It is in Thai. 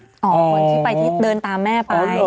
คนที่ไปที่เดินตามแม่ไป